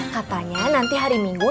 katanya nanti hari minggu